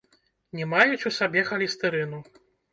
Не маюць у сабе халестэрыну.